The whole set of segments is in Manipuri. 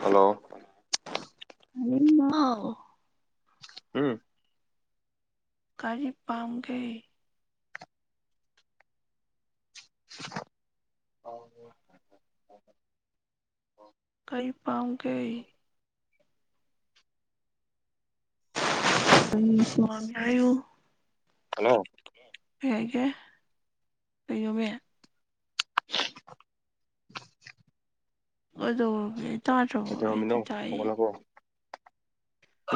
ꯍꯜꯂꯣ ꯎ [unintelligible] [inaudible] ꯎꯝ [inaudible] ꯀꯔꯤ ꯄꯥꯝꯒꯦ ꯀꯩ ꯄꯥꯝꯒꯦ ꯎꯝ ꯁꯃ ꯀꯨ ꯍꯜꯂꯣ ꯍꯒꯦ ꯀꯉꯣꯃꯦ ꯑꯗꯣ ꯍꯦ ꯇꯥꯔꯣ ꯍꯥꯏꯗꯤ ꯀꯩꯗꯧꯔꯝꯃꯤꯅꯣ ꯇꯥꯏ ꯍꯧꯒꯠꯂꯕꯣ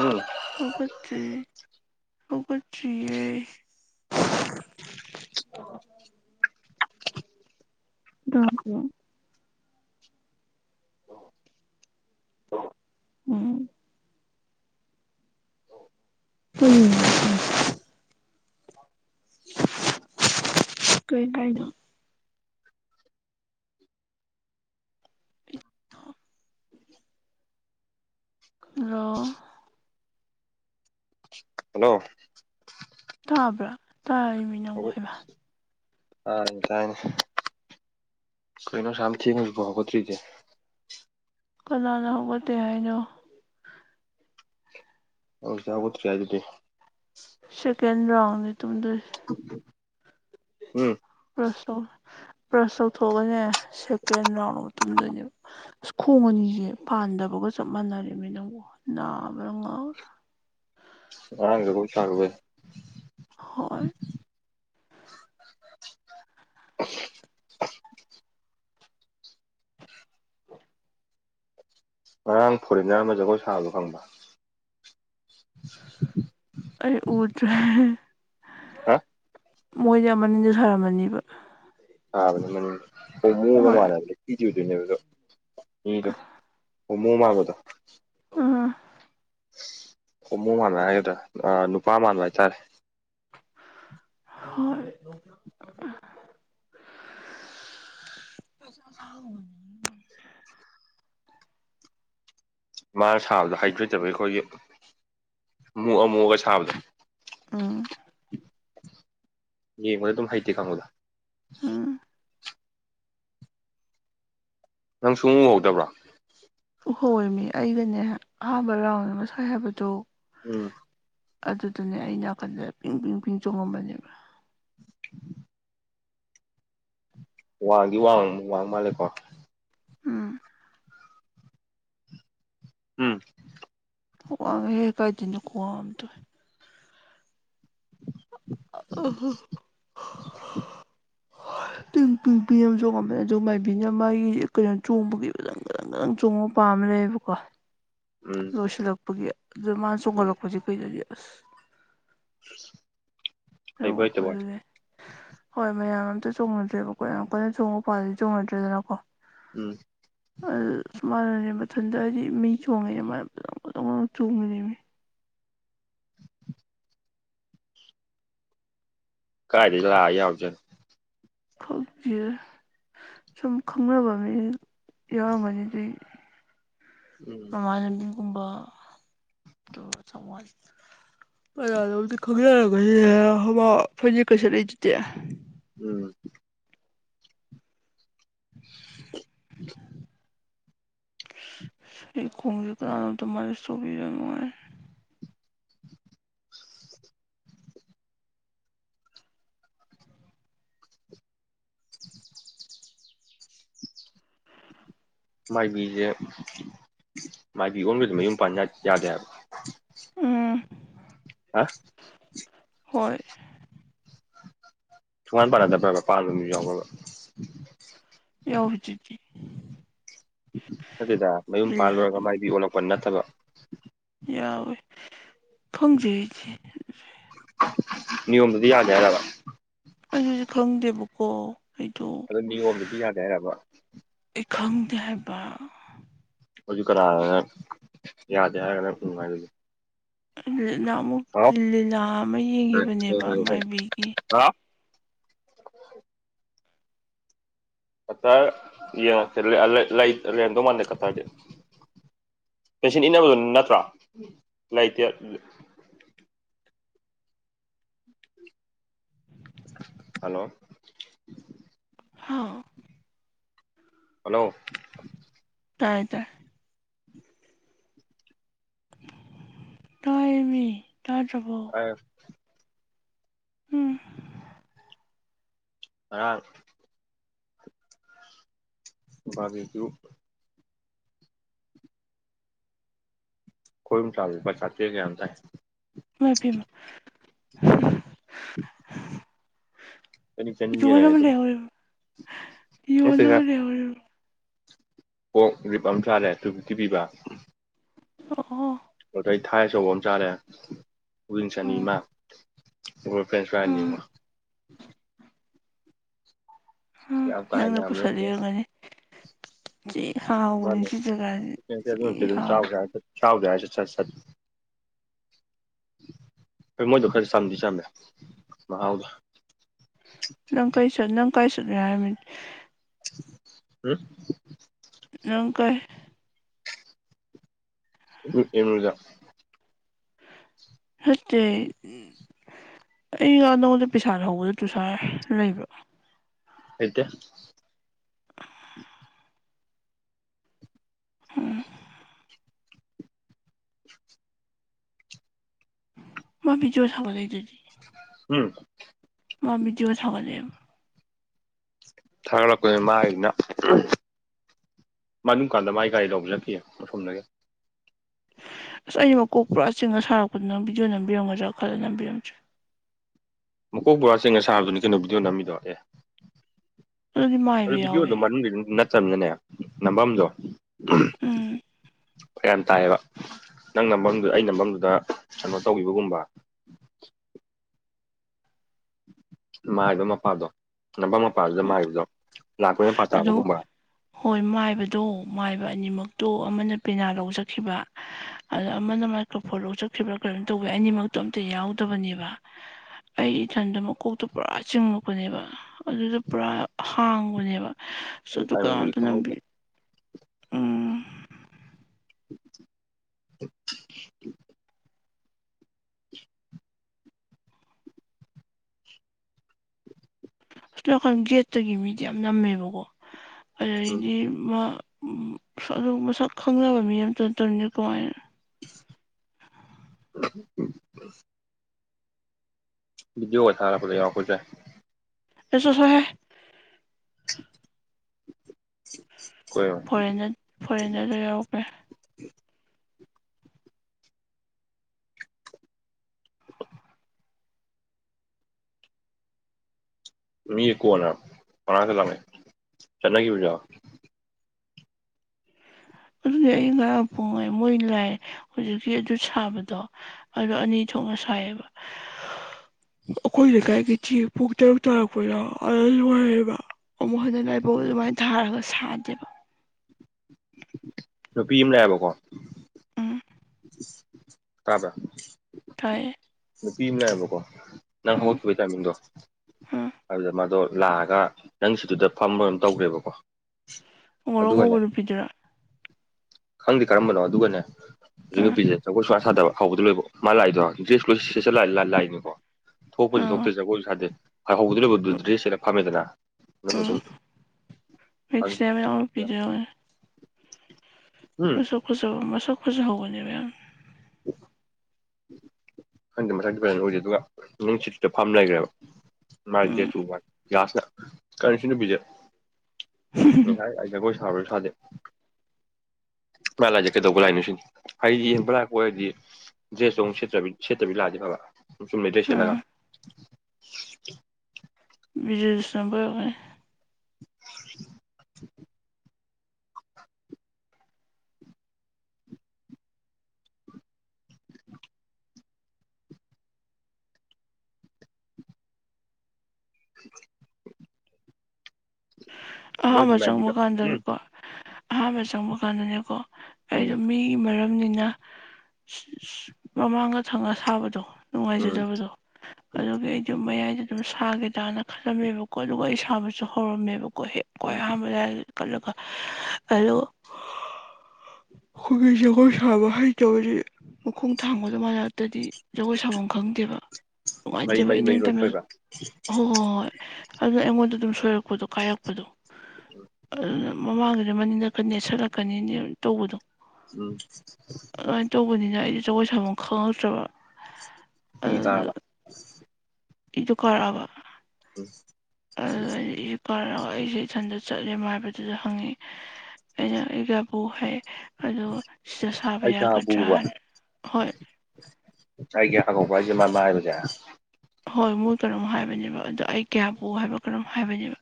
ꯎꯝ ꯍꯒꯗꯦ ꯑꯣꯆꯦ ꯑ ꯎꯝ ꯎꯝ ꯀꯣꯏ ꯀꯥꯏꯅꯣ ꯔꯣ ꯍꯜꯂꯣ ꯇꯥꯕ꯭ꯔꯥ ꯇꯥꯔꯤꯕꯃꯤ ꯅꯪ ꯀꯣꯏꯕ ꯑ ꯇꯥꯏꯅ ꯀꯣꯏꯅꯣ ꯁꯝ ꯊꯉꯁꯕꯣ ꯍꯒꯇꯔꯤꯖ ꯀꯗꯥꯅꯕ ꯇ ꯍꯥꯏꯗ ꯑꯣ ꯆꯥꯎꯒꯠꯇ꯭ꯔꯤ ꯍꯥꯏ ꯑꯗꯨꯗꯤ ꯁꯦꯀꯦꯟꯗ ꯔꯥꯎꯗ ꯇꯗ ꯎꯝ ꯄ꯭ꯔꯁ ꯇ ꯄ꯭ꯔꯁ ꯇꯧꯊꯣꯛꯑꯅꯦ ꯁꯦꯀꯦꯟ ꯂꯅꯥꯥꯎꯅ ꯃꯇꯝꯗꯅꯦꯕ ꯑ ꯈꯣꯡ ꯑꯅꯤꯁꯦ ꯄꯥꯟꯗꯕꯒ ꯆꯞ ꯃꯥꯟꯅꯔꯦꯃꯤ ꯅꯪꯕꯨ ꯅꯥꯕ꯭ꯔꯥ ꯉꯥꯎ꯭ꯔꯥ ꯑ ꯔ ꯊꯒꯕ ꯍꯣꯏ [unintelligible] ꯉꯔꯥꯡ ꯐꯣꯔꯦꯟꯅꯔ ꯑꯃ ꯖꯒꯣꯏ ꯁꯥꯕꯗꯣ ꯈꯪꯕ ꯑꯩ ꯎꯖꯦ ꯍꯥ ꯃꯣꯏꯗꯤ ꯑꯃꯅꯤꯁꯨ ꯁꯥꯔꯝꯃꯅꯤꯕ ꯍꯥꯥ ꯃꯅꯤ ꯃꯒ ꯍꯣꯏ ꯃꯥꯅ ꯀꯤꯖꯗꯨꯅꯦꯗꯣ ꯎꯗ ꯍ ꯃꯣ ꯃꯥꯒꯗ ꯎꯝ ꯍꯃꯨ ꯃꯥꯟꯕ ꯍꯥꯏꯒꯗ꯭ꯔꯥ ꯅꯨꯄꯥ ꯃꯥꯟꯕ ꯍꯥꯏꯇꯥꯔꯦ ꯍꯣꯏ ꯁ ꯃꯥꯅ ꯁꯥꯕꯗꯣ ꯍꯥꯏꯗ꯭ꯔꯦꯠꯇꯕ ꯑꯩꯈꯣꯏꯒꯤ ꯑꯃꯨꯛ ꯑꯃꯨꯑꯒ ꯁꯥꯕꯗꯣ ꯑꯥ ꯌꯦ ꯃ ꯇꯨ ꯍꯥꯏꯍꯤꯇꯦ ꯀ ꯃꯂ ꯎꯝ ꯅꯪ ꯁꯨꯡꯉꯨꯍꯧꯗꯕ꯭ꯔꯥ ꯍꯣꯏꯃꯤ ꯑꯩꯒꯅꯦ ꯑꯍꯥꯟꯕ ꯔꯥꯎꯟ ꯑꯃ ꯁꯥꯏ ꯍꯥꯏꯕꯗꯣ ꯎꯝ ꯑꯗꯨꯗꯨꯅꯦ ꯑꯩ ꯅꯥꯀꯟꯗ ꯄ ꯄ ꯄ ꯆꯣꯡꯉꯝꯕꯅꯦꯕ ꯋꯥꯒꯤ ꯋꯥ ꯋꯥ ꯃꯥꯂꯦꯀꯣ ꯎꯝ ꯎꯝ ꯑꯣ ꯀꯥꯏꯅꯤ ꯀꯣꯝ ꯇ ꯎ [inaudible] ꯄꯤ ꯑꯃ ꯆꯣꯡꯉꯝꯕꯅꯦ ꯑꯗꯨꯒ ꯃꯥꯏꯕꯤꯅ ꯃꯥꯒꯤ ꯀꯩꯅꯣ ꯆꯣꯡꯕꯒꯤꯪ ꯆꯣꯡꯕ ꯄꯥꯝꯃꯦꯦ ꯀꯣ ꯎꯝ ꯂꯣꯏꯁꯤꯜꯂꯛꯄꯒꯤ ꯑꯗꯨ ꯃꯥꯅ ꯆꯣꯡꯒꯠꯂꯛꯄꯁꯦ ꯀꯨꯏꯅꯗꯤ ꯑꯁ ꯑꯩꯕꯨꯣꯏꯇ ꯆꯣꯡꯉꯣꯀꯣ ꯋꯥ ꯑꯗꯨꯗꯤ ꯍꯣꯏ ꯃꯌꯥꯝ ꯑꯝꯇ ꯆꯣꯡꯅꯨꯗ꯭ꯔꯦꯕꯀꯣ ꯌꯥꯝ ꯀꯣꯏꯅ ꯆꯣꯡꯕ ꯄꯥꯁꯤꯗꯤ ꯆꯣꯡꯅꯗ꯭ꯔꯦꯗꯅꯀꯣ ꯎꯝ ꯑ ꯁꯨꯃ ꯃꯊꯟꯇ ꯍꯥꯏꯗꯤ ꯃꯤ ꯆꯣꯡꯉ ꯆꯣꯡꯉꯃꯤ ꯀꯥꯏꯗꯎꯖ ꯈꯜꯄꯤꯦ ꯁꯨꯝ ꯈꯪꯅꯕ ꯃꯤ ꯌꯥꯎꯔꯝꯒꯅꯤ ꯑꯗꯨ ꯎꯝ ꯏꯃꯕꯤꯝ ꯀꯨꯝꯕ [inaudible] ꯇ ꯆꯃ ꯑꯗꯗꯤ ꯈꯪꯖ ꯍ ꯐ ꯀꯩꯁ ꯂꯩ ꯆꯇꯦ ꯎꯝ [inaudible] ꯀꯣꯡ ꯀ ꯃꯥ ꯁꯣꯕꯤ ꯃꯥꯏꯕꯤꯁꯦ ꯃꯥꯏꯕꯤ ꯑꯣꯟꯕꯗ ꯃꯌꯨꯝ ꯄꯥꯟ ꯌꯥꯗꯦ ꯍꯥꯏꯕ ꯎꯝ ꯑ ꯍꯣꯏ ꯁꯨꯡꯃꯥꯏ ꯄꯔꯗꯔꯕ ꯄꯥꯗ ꯃꯤ [inaudible] ꯑꯗꯨꯠꯇꯦꯗ ꯃꯌꯨꯝ ꯂꯤꯂꯥꯗꯨ ꯄꯥꯜꯂꯨꯔꯒ ꯃꯥꯏꯕꯤ ꯑꯣꯜꯂꯛꯄ ꯅꯠꯇꯕ ꯌꯥꯎꯋꯦ ꯊꯣꯡꯖꯔꯤꯗꯤ ꯅꯤꯌꯣꯝꯗꯤ ꯌꯥꯒꯦꯔ ꯑꯩ ꯍꯧꯁꯨ ꯈꯪꯗꯦꯕꯀꯣ ꯑꯩꯗꯣ ꯑꯗꯨ ꯅꯤꯌꯣꯝꯗꯗꯤ ꯌꯥꯗꯦ ꯍꯥꯏꯔꯕ ꯑꯩ ꯈꯪꯗꯦ ꯍꯥꯏꯕ ꯑꯗꯨ ꯀꯔꯥ ꯌꯥꯗꯦ ꯍꯥꯏꯔꯒꯅꯦ ꯐꯉꯕ ꯂꯤ ꯑꯃꯨ ꯂꯤꯅꯥ ꯑꯃ ꯌꯦꯡꯈꯤꯕꯅꯦꯕ ꯃꯥꯏꯕꯤꯒꯤ [inaudible] ꯀꯇꯥꯔ ꯌꯦꯡꯉꯁꯦ ꯂꯩꯍꯗꯧ ꯃꯥꯜꯂꯦ ꯀꯇꯥꯗꯤ ꯄꯦꯟꯁꯤꯟ ꯏꯟꯅꯕꯗꯨ ꯅꯠꯇ꯭ꯔꯥ ꯂꯩꯇ ꯍꯜꯂꯣ ꯍꯥꯎ ꯍꯜꯂꯣ ꯇꯥꯏ ꯇꯥꯏ ꯇꯣꯏ ꯃꯤ ꯑ ꯍ ꯍꯔ ꯗꯤꯗꯨ ꯀꯣꯏ ꯃꯤ ꯆꯄꯥ ꯆꯇꯦ ꯀꯌꯥꯗ [inaudible] [inaudible] ꯆꯅꯤ ꯆꯅꯤ ꯍꯅ ꯌꯦꯟꯅꯔꯦ ꯑꯃ ꯑꯗꯨꯝ ꯂꯩ ꯑꯣꯏ ꯌ ꯋꯥꯅ ꯃꯅꯦꯦ ꯑꯣꯏ ꯀꯣꯛ ꯔꯤꯞ ꯑꯃ ꯆꯥꯔꯦ ꯇꯨ ꯊꯤꯕꯤꯕ ꯑꯣ ꯑꯣ ꯑꯗꯩ ꯊꯥꯏ ꯑꯆꯧꯕ ꯑꯃ ꯆꯥꯔꯦ ꯄꯛꯂꯤꯡ ꯆꯅꯤ ꯎꯝ ꯑꯃ ꯐ꯭ꯔꯦꯟꯁ ꯐ꯭ꯔꯥꯏꯁ ꯎꯝ ꯑꯅꯤꯒ ꯎꯝ ꯀ ꯀꯥꯏꯅ ꯅꯪꯅ ꯑꯃꯔ ꯄꯨꯁꯜꯂꯤ ꯀ ꯑꯣꯏꯔꯝꯒꯅꯤ ꯊꯤ ꯍꯥꯎꯕꯅꯤ ꯃꯥꯅꯦ ꯁꯤ ꯖꯒꯥꯁꯦ ꯑꯗꯨ ꯊꯤ ꯊ ꯑꯗꯨ ꯍꯥꯎ ꯆꯥꯎ ꯌꯥꯕꯒꯦ ꯌꯥꯁꯦ ꯁꯠ ꯁꯠ ꯍꯣꯏ ꯃꯣꯏꯗꯣ ꯈꯔ ꯆꯝꯗꯤ ꯆꯝꯃꯦ ꯃꯍꯥꯎꯗꯣ ꯅꯪ ꯀꯩ ꯁ ꯅꯪ ꯀꯥꯏ ꯁ ꯎꯝ ꯅꯪ ꯀꯥꯏ ꯏꯃꯔꯨꯖ ꯅꯠꯇꯦ ꯑꯩ ꯉꯥ ꯅꯪꯉꯣꯟꯗ ꯄꯩꯁꯥ ꯍꯧꯕꯗ ꯇꯨꯁꯥꯔ ꯂꯩꯕ꯭ꯔ ꯑꯗ ꯎꯝ ꯃꯥꯃꯤꯕꯤꯖꯣ ꯁꯒꯗꯏꯗꯗꯤ ꯎꯝ ꯃꯥ ꯚꯤꯗꯤꯑꯣ ꯊꯥꯒꯠꯂꯛꯑꯦꯕ ꯊꯥꯒꯠꯂꯛꯄꯅꯤ ꯃꯥꯒꯤꯅ ꯃꯅꯨꯡ ꯀꯥꯟꯗ ꯃꯥꯥꯏ ꯒꯥꯔꯤ ꯂꯧꯕ ꯆꯠꯈꯤ ꯑꯁꯣꯝꯗꯒꯤ [inaudible] ꯑꯁ ꯑꯃꯛ ꯀꯣꯛꯄ꯭ꯔꯥ ꯆꯤꯡꯉ ꯁꯥꯔꯛꯄꯗꯨꯅ ꯚꯤꯗꯤꯑꯣ ꯅꯝꯕꯤꯔꯝꯒꯗ꯭ꯔꯥ ꯈꯜꯂ ꯅꯝꯕꯤꯔꯝꯗ꯭ꯔꯥ ꯃꯀꯣꯛ ꯕꯣꯔꯥ ꯆꯦꯡꯅ ꯁꯥꯕꯗꯨꯅꯤ ꯀꯩꯅꯣ ꯕꯤꯗꯤꯑꯣ ꯅꯝꯃꯤꯗꯣ ꯑꯦ ꯑꯗꯨꯗꯤ ꯑꯗꯨ ꯃꯥꯏꯕ ꯌꯥꯎꯋꯦ ꯚꯤꯗꯤꯑꯣꯗꯣ ꯃꯅꯨꯡꯗꯨ ꯑꯗꯨꯝ ꯅꯠꯇꯕꯅꯤꯅꯅꯦ ꯅꯝꯐꯝꯗꯣ ꯎꯝ ꯌꯥꯝ ꯇꯥꯏꯌꯦꯕ ꯅꯪ ꯅꯗꯨꯗ ꯑ ꯅ ꯃꯝꯗꯨꯗ ꯀꯩꯅꯣ ꯇꯧꯕꯈꯤꯕꯒꯨꯝꯕ [inaudible] ꯃꯥꯏꯕ ꯃꯄꯥꯗꯣ ꯅꯄꯥ ꯃꯄꯥꯗꯨꯗ ꯃꯥꯏꯕꯗꯣ ꯂꯥꯛꯄꯩ ꯃꯄꯥ ꯑ ꯇꯥꯕꯒꯨꯝꯕ ꯍꯣꯏ ꯃꯥꯏꯕꯗꯣ ꯃꯥꯏꯕ ꯑꯅꯤꯃꯛꯇꯣ ꯑꯃꯅ ꯄꯦꯅꯥ ꯂꯧꯖꯈꯤꯕ ꯑꯗ ꯑꯃꯅ ꯃꯥꯏꯀ꯭ꯔꯣꯐꯣꯟ ꯂꯧꯖꯈꯤꯕ ꯀꯩꯅꯝ ꯇꯧꯕ ꯑꯩꯈꯣꯏ ꯑꯅꯤꯃꯛꯇꯣ ꯑꯝꯇ ꯌꯥꯎꯗꯕꯅꯦꯕ ꯑꯩ ꯏꯊꯟꯗ ꯃꯀꯣꯛꯇꯣ ꯄꯨꯔꯥ ꯆꯤꯡꯉꯛꯄꯅꯦꯕ ꯑꯗꯨꯗ ꯄꯨꯔꯥ ꯍꯥꯡꯕꯅꯦꯕ ꯁ ꯑꯗꯨ ꯇꯥꯏꯃꯤꯡꯕꯨꯗꯤ ꯀꯗ ꯅꯝꯕꯤ ꯈꯪꯍꯧꯗꯦ ꯎꯝ ꯑꯁꯔꯀꯥꯟ ꯒꯦꯠꯇꯒꯤ ꯃꯤꯗꯤ ꯌꯥꯝ ꯅꯝꯃꯦꯕꯀꯣ ꯎꯝ ꯑꯗꯨꯗꯗꯒꯤꯗꯤ ꯃꯥ ꯎ ꯑꯗꯨ ꯃꯁꯛ ꯈꯪꯅꯕ ꯃꯤ ꯑꯃꯇ ꯅ ꯇꯧꯔꯤꯅꯦ ꯀꯃꯥꯏꯅ ꯎ ꯖ ꯋꯥ ꯁꯔꯦ ꯐ ꯂꯩ ꯋꯥꯈꯁꯦ ꯑꯦꯁꯁꯨ ꯍꯥꯏꯦ ꯑꯩꯈꯣꯏ ꯐꯟꯅ ꯐꯣꯔꯦꯟꯅꯔꯗ ꯌꯥꯎꯔꯛꯄ꯭ꯔꯦ ꯃꯤ ꯀꯣꯟꯅ ꯃꯅꯥꯥꯡꯛꯇ ꯂꯪꯃꯦ ꯆꯠꯅꯈꯤꯕꯖꯥ [inaudible] ꯑꯗꯨꯗꯤ ꯑꯩ ꯉꯔꯥ ꯄꯨꯡꯉꯦ ꯃꯣꯏ ꯂꯥꯏ ꯍꯧꯖꯤꯛꯀꯤ ꯑꯗꯨ ꯁꯥꯕꯗꯣ ꯑꯗꯨ ꯑꯅꯤ ꯊꯣꯛꯅ ꯁꯥꯏ ꯑꯕ ꯑꯩꯈꯣꯏꯗꯤ ꯀꯥꯏꯒꯦ ꯆ ꯄꯨ ꯇꯔꯨꯛ ꯇꯥꯔꯛꯄꯔꯣ ꯅꯨꯡꯉꯥꯏꯔꯕ ꯑꯃꯨꯛ ꯍꯗ ꯂꯥꯏꯕꯧ ꯑꯗꯨꯃꯥꯏꯅ ꯊꯥꯔꯒ ꯁꯥꯗꯦꯕ ꯅꯨꯄꯤ ꯑꯃ ꯂꯩꯌꯦꯕꯀꯣ ꯎꯝ ꯇꯥꯕ꯭ꯔ ꯇꯥꯏ ꯅꯨꯄꯤ ꯑꯃꯅꯦꯌꯦꯕꯀꯣ ꯅꯪ ꯍꯧꯒꯠꯈꯤꯕꯒꯤ ꯇꯥꯏꯃꯤꯡꯗꯣ ꯎꯝ ꯑꯗꯨꯗ ꯃꯥꯗꯣ ꯂꯥꯛꯑꯒ ꯅꯪ ꯁꯤꯗꯨꯗ ꯐꯝꯕ ꯑꯣꯏꯅꯝ ꯇꯧꯈ꯭ꯔꯦꯕꯀꯣ ꯔꯣꯡꯕꯨ ꯑꯗꯨꯒꯅꯦ ꯅꯨꯄꯤꯗꯔꯥ ꯈꯪꯗꯦ ꯀꯔꯝꯕꯅꯣ ꯑꯗꯨꯒꯅꯦ ꯍꯧꯖꯤꯛ ꯑꯥ ꯅꯨꯄꯤꯁꯦ ꯆꯪꯒꯣꯏ ꯁꯨꯌꯥ ꯁꯥꯗꯕ ꯍꯥꯎꯕꯗꯨ ꯂꯣꯏꯕ ꯃꯥ ꯂꯥꯛꯏꯗꯣ ꯁ ꯂꯥꯛꯏꯅꯤꯀꯣ ꯊꯣꯛꯄꯁꯨ ꯑꯥ ꯊꯣꯛꯇꯦ ꯖꯒꯣꯏꯁꯨ ꯁꯥꯗꯦ ꯍꯣꯏ ꯍꯧꯕꯗ ꯂꯕꯗꯨ ꯗ꯭ꯔꯦꯁ ꯍꯦꯂ ꯐꯝꯃꯦꯗꯅ ꯎꯝ ꯃꯤꯛꯁꯅꯦ ꯃꯅꯥꯎ ꯅꯨꯄꯤꯗꯨ [unintelligible] ꯍꯨꯝ ꯃꯁ ꯈꯨꯁꯤ ꯃꯁ ꯈꯨꯁꯤ ꯍꯒꯅꯦꯕ ꯍꯪꯗꯦ ꯃꯊꯪꯛꯇ ꯐꯖꯅ ꯎꯖꯩ ꯑꯗꯨꯒ ꯅꯨꯡꯁꯤꯠꯇꯗ ꯐꯥꯝ ꯂꯩꯈ꯭ꯔꯦꯕ ꯃꯥꯏꯦ ꯎꯝ ꯆ ꯃꯥꯥꯁ ꯀꯟꯅꯨ ꯄꯤꯖ ꯀꯣꯏ ꯁꯕ ꯁꯥꯗꯦ ꯃꯂꯖꯦ ꯀꯩ ꯇꯧꯕꯧꯕ ꯂꯥꯏꯅ ꯁꯤ ꯍꯥꯏꯌꯦꯕ ꯀ ꯍꯥꯏꯌꯦ ꯗ꯭ꯔꯦꯁꯇꯣꯨꯦꯠꯇ ꯁꯦꯠꯇ꯭ꯔꯕꯤ ꯂꯑꯦ ꯐꯕꯕꯥ ꯁꯨ ꯃꯗꯦꯁꯦꯂꯒ ꯑꯥ ꯕꯤꯖꯦ ꯁꯦꯝꯄꯔꯒꯅꯦ ꯅꯣꯏꯗꯤ ꯑꯍꯥꯟꯕ ꯆꯪꯕ ꯃꯥꯏꯕꯤꯒ ꯎꯝ ꯀꯥꯟꯗꯗꯤꯀꯣ ꯑꯍꯥꯟꯕ ꯆꯪꯕ ꯀꯥꯟꯗꯅꯦꯀꯣ ꯑꯩꯗꯣ ꯎꯝ ꯃꯤ ꯃꯔꯝ ꯑꯗꯨꯝꯅꯤꯅ ꯃꯃꯥꯡꯗ ꯊꯪꯉ ꯁꯥꯕꯗꯣ ꯎꯝ ꯅꯨꯡꯉꯥꯏꯖꯗꯕꯗꯣ ꯑꯗꯨꯒꯤ ꯑꯩꯗꯤ ꯃꯌꯥꯏ ꯑꯗꯨꯝ ꯁꯥꯒꯦ ꯇꯅ ꯈꯜꯂꯝꯃꯦꯕꯀꯣ ꯑꯗꯨꯒ ꯑꯩ ꯁꯥꯕꯁꯨ ꯍꯧꯔꯝꯃꯦꯕꯀꯣ ꯍꯦꯛꯀꯣ ꯎꯝ ꯑꯌꯥꯝꯥꯟꯕꯗ ꯍꯂꯣ ꯈꯨꯖꯒꯣ ꯁꯕ ꯍꯥꯏꯩ ꯇꯦ ꯃꯈꯣꯡ ꯊꯥꯡꯕꯗꯨ ꯃꯔꯥꯏꯅꯥꯛꯇꯗꯤ ꯖꯒꯣꯏ ꯁꯥꯐꯝ ꯈꯪꯗꯦꯕ ꯃꯔꯤ ꯅꯨꯡꯉꯥꯏꯖꯕ ꯃꯔꯤ ꯃꯔꯤ ꯏꯅꯤꯡꯝꯅ ꯂꯣꯏ ꯍꯣꯏ ꯁꯣꯏꯕ ꯍꯣꯏ ꯍꯣꯏ ꯑꯗꯨꯅ ꯑꯩꯉꯣꯟꯗ ꯑꯗꯨꯝ ꯁꯣꯏꯔꯛꯄꯗꯣ ꯀꯥꯏꯔꯛꯄꯗꯣ ꯎ ꯑꯗꯨꯅ ꯃꯃꯥꯡꯒꯤꯗ ꯃꯅꯤꯡꯂꯛꯀꯅꯤ ꯁꯠꯂꯛꯀꯅꯤ ꯇꯧꯕꯗꯣ ꯎꯝ ꯁꯤꯗ ꯑꯩꯗꯤ ꯖꯒꯣꯏ ꯁꯥꯐꯝ ꯈꯪꯍꯧꯗ꯭ꯔꯕ ꯏ ꯇꯂ ꯏꯗꯨ ꯈꯔꯕ ꯎꯝ ꯎꯝ ꯀꯔ ꯑꯩꯁꯦ ꯏꯊꯟꯗ ꯆꯠꯂ ꯍꯥꯏꯕꯗꯨꯗ ꯍꯪꯉꯤ ꯑꯩꯅ ꯑꯩꯒꯕꯨ ꯍꯥꯏ ꯑꯣ ꯁꯤꯗ ꯁꯥꯕ ꯑꯩ ꯌꯥꯒꯗ꯭ꯔꯥ ꯍꯣꯏ ꯉꯁꯥꯏꯒꯤꯦ ꯑꯪꯉꯧꯕ ꯍꯥꯏꯁꯦ ꯃꯃ ꯍꯥꯏꯕꯅꯦꯦ ꯍꯣꯏ ꯃꯣꯏ ꯀꯔꯝ ꯍꯥꯏꯕꯅꯦꯕ ꯑꯗꯣ ꯑꯩ ꯀꯌꯥ ꯄꯣꯛ ꯍꯥꯏꯕ ꯀꯔꯝ ꯍꯥꯏꯕꯅꯦꯕ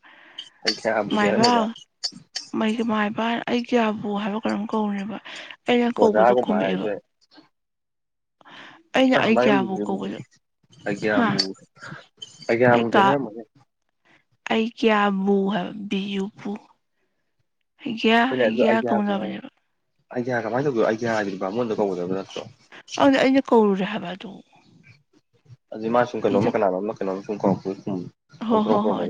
ꯑꯩ ꯀꯌꯥꯕꯨꯗꯤ ꯍꯥꯏꯔꯝꯃꯣꯏꯗ ꯃꯥꯏꯕꯒꯤ ꯃꯥꯏ ꯏꯕ ꯑꯩ ꯀꯌꯥꯕꯨ ꯍꯥꯏꯕ ꯀꯔꯝ ꯀꯧꯦꯕ ꯑꯩꯅ ꯀꯧꯕꯗꯣ ꯑꯣꯖꯥꯒꯨꯝꯕ ꯀꯣꯝꯃꯛꯑꯦꯕ ꯍꯥꯏꯁꯦ ꯑ ꯀꯧꯕꯗꯣ ꯑ ꯍꯥ ꯑ ꯌꯥꯝ ꯑꯩ ꯑꯃꯨꯛꯗꯅꯦ ꯀꯥ ꯑꯩ ꯀꯌꯥꯕꯕꯨ ꯍ ꯕꯤꯖꯨꯕꯨ ꯑꯩꯈꯣꯏꯅ ꯑꯥꯏꯗꯤꯌꯥꯒꯨꯝ ꯀꯧꯅꯕꯅꯦꯕ ꯑꯥꯏꯗꯤꯌꯥ ꯀꯃꯥꯏꯅ ꯇꯧꯗꯅꯣ ꯑꯥꯏꯗꯤꯌꯥ ꯍꯥꯏꯗꯨꯅꯄꯥꯥꯉꯣꯟꯗ ꯀꯧꯒꯗꯕꯗꯣ ꯑꯗꯨꯅ ꯑꯩꯅ ꯀꯧꯔꯨꯔꯦ ꯍꯥꯏꯕ ꯑꯗꯨ ꯑꯗꯨ ꯃꯥ ꯁꯨꯝ ꯀꯩꯅꯣꯝ ꯀꯅꯥꯅꯣꯝ ꯑꯃꯅ ꯀꯩꯅꯣꯝ ꯁꯨꯝ ꯀꯣ ꯍ ꯍꯣ ꯍꯣ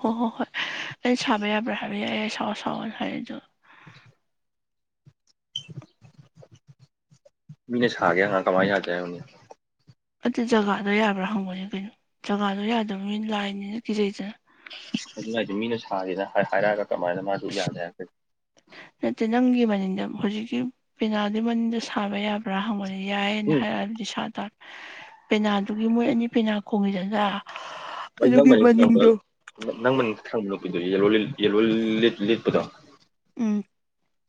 ꯍꯣ ꯍꯣ ꯍꯣꯏ ꯁꯃꯦꯕ꯭ꯔꯍ ꯌꯥ ꯁ ꯁꯍꯖ ꯍꯁꯨꯣ [inaudible] ꯃꯤꯅꯦꯁꯥꯒ ꯍ ꯀꯃꯥꯏ ꯌꯥꯒꯅꯤ ꯑꯗꯨ ꯖꯒꯥꯗꯣ ꯌꯥꯕ꯭ꯔꯥ ꯍꯪꯕꯅꯦ ꯀꯩꯅꯣ ꯖꯒꯥꯗꯣ ꯌꯥꯗꯕꯅꯤꯅ ꯂꯥꯏꯅꯤꯅ ꯀꯤꯖꯩꯗꯅ ꯑꯗꯨꯅ ꯍꯥꯏꯗꯤ ꯃꯤꯅ ꯁꯥꯒꯦꯅ ꯍꯥꯏꯔꯛꯑꯒ ꯀꯃꯥꯏꯅ ꯃꯥꯗꯨ ꯑꯁ ꯌꯥꯗꯦ ꯍꯥꯏ ꯅꯠꯇꯦ ꯅꯪꯒꯤ ꯍꯧꯖꯤꯛꯀꯤ ꯄꯦꯅꯥꯗꯨ ꯃꯅꯨꯡꯗꯅꯤꯡꯗ ꯁꯥꯕ ꯌꯥꯕ꯭ꯔꯥ ꯍꯪꯕꯅꯤ ꯌꯥꯏꯌꯦꯅ ꯎꯝ ꯍꯥꯏꯔꯛꯑꯕꯗꯤ ꯁꯥ ꯄꯦꯅꯥꯗꯨꯒꯤ ꯃꯣꯏ ꯑꯅꯤ ꯄꯦꯅꯥ ꯈꯣꯡꯉꯤꯗꯖ ꯅꯪ ꯃꯅꯤꯡ ꯊꯕ ꯅꯪ ꯃꯅꯤꯡ ꯊꯪꯕꯣꯗꯣꯣ ꯂꯤꯠꯄꯗ ꯎꯝ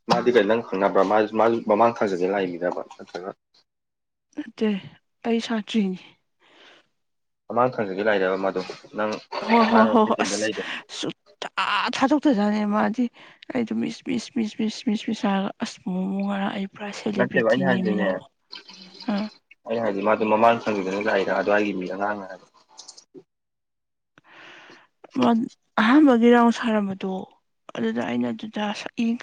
ꯃꯥꯗꯤ ꯀꯩꯅ ꯅꯪ ꯈꯪꯅꯕ꯭ꯔꯥ ꯃꯥ ꯃꯥ ꯃꯃꯥꯡ ꯊꯪꯖꯒ ꯂꯥꯛꯏꯃꯤꯅꯕ꯭ꯔꯥ ꯅꯠꯇ꯭ꯔꯒ ꯠꯇ ꯇꯏ ꯁꯥꯆꯣꯏꯅꯤ ꯃꯃꯥꯡ ꯊꯪꯖꯒꯦ ꯂꯥꯏꯔꯦꯕ ꯃꯥꯗꯨ ꯍꯣ ꯍꯣꯏ ꯍꯣꯏ ꯍꯣꯏ ꯑꯁ ꯁꯨꯇꯥ ꯊꯥꯗꯣꯛꯇꯖꯥꯅꯦ ꯃꯥꯗꯤ ꯑꯩ ꯑꯗꯨꯝ ꯏꯁ ꯏꯁ ꯃꯤ ꯏꯁꯁ ꯃꯤꯁ ꯃꯤꯁ ꯃꯤꯁ ꯍꯥꯏꯔꯒ ꯑꯁꯃꯣ ꯑꯃ ꯉꯔ ꯑꯩ ꯄꯨꯔꯥ ꯅꯠꯇꯦꯕ ꯑꯩꯅ ꯁꯦꯂꯤꯕ꯭ꯔꯤꯇꯤꯅꯦꯃꯤ ꯍꯥꯏꯁꯤꯅꯦ ꯅꯪꯕꯣ ꯑꯩꯅ ꯍꯥꯏꯗꯤ ꯑꯗꯨ ꯃꯃꯥꯡ ꯊꯪꯈꯤꯕꯗꯨꯅ ꯂꯥꯛꯏꯔ ꯑꯗꯨ꯭ꯋꯥꯏꯒꯤ ꯃꯤ ꯑꯉꯥꯡ ꯍꯥꯏꯕ ꯑꯍꯥꯟꯕꯒꯤ ꯔꯥꯎꯟ ꯁꯥꯔꯝꯕꯗꯣ ꯑꯗꯨꯗ ꯑꯩꯅ ꯑꯗꯨꯗ ꯁꯛ ꯌꯦꯡ